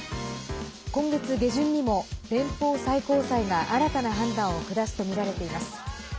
今月下旬にも連邦最高裁が新たな判断を下すとみられています。